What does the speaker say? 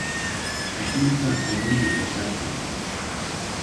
Ashnuta allimi watarqan.